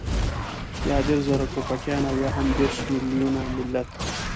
يا دېرش زره ټوپکيان او يا هم دېرش مېليونه ملت.